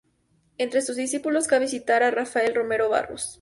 Entre sus discípulos, cabe citar a Rafael Romero Barros.